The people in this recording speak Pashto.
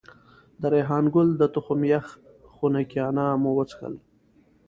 د ریحان ګل د تخم یخ خنکيانه مو وڅښل.